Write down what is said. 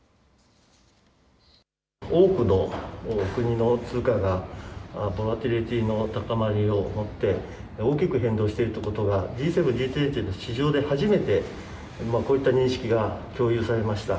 多くの国の通貨が高まりを持って大きく変動してるということがＧ７、Ｇ２０の市場で初めてこういった認識が共有されました。